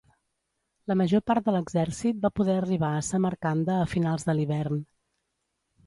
La major part de l'exèrcit va poder arribar a Samarcanda a finals de l'hivern.